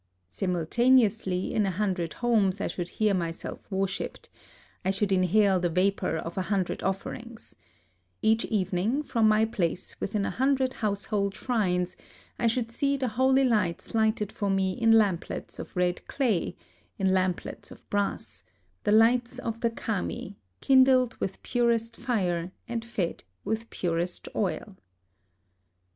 Simultaneously in a hun dred homes I should hear myself worshiped, I should inhale the vapor of a hundred offer ings : each evening, from my place within a hundred household shrines, I should see the holy lights lighted for me in lamplets of red clay, in lamplets of brass, — the lights of the 6 A LIVING GOD Kami, kindled with purest fire and fed with purest oil.